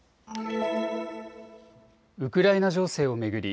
ウクライナ情勢を巡り